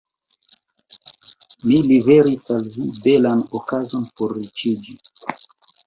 Mi liveris al vi belan okazon por riĉiĝi.